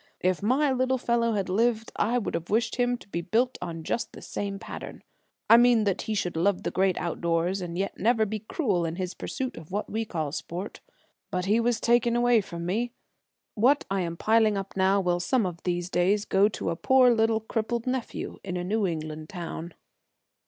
"If my little fellow had lived I would have wished him to be built on just the same pattern. I meant that he should love the Great Outdoors, and yet never be cruel in his pursuit of what we call sport. But he was taken away from me. What I am piling up now will some of these days go to a poor little crippled nephew in a New England town."